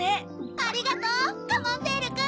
ありがとうカマンベールくん！